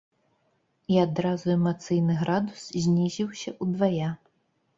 І адразу эмацыйны градус знізіўся удвая.